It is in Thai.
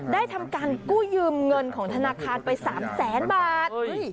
ได้ทำการกู้ยืมเงินของธนาคารไป๓แสนบาท